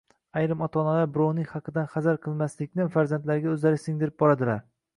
Ayrim ota-onalar birovning haqidan hazar qilmaslikni farzandlariga o‘zlari singdirib boradilar.